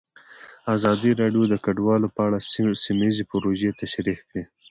ازادي راډیو د کډوال په اړه سیمه ییزې پروژې تشریح کړې.